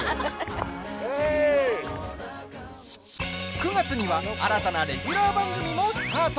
９月には新たなレギュラー番組もスタート。